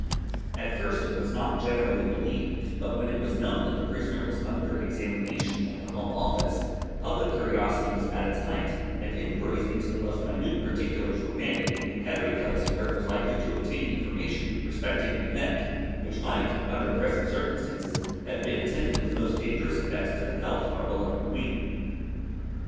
At first it was not generally believed, but when it was known that the prisoner was under examination at the Home Office public curiosity was at its height, and inquiries into the most minute particulars were made in every place where it was likely to obtain information respecting an event which might, under present circumstances, have been attended with most dangerous effects to the health of our beloved Queen.